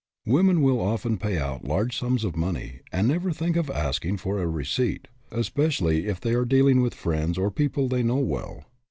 Women will often pay out large sums of money, and never think of asking for a receipt, especially if they are dealing with friends or people they know well.